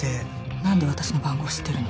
何で私の番号知ってるの？